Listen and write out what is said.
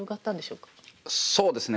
そうですね。